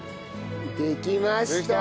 できました。